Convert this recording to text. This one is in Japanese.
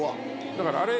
だからあれ。